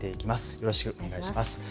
よろしくお願いします。